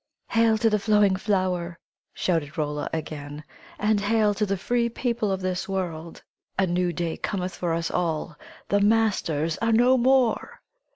"Hail to the flowing flower!" shouted Rolla again. "And hail to the free people of this world! A new day cometh for us all! The masters are no more!"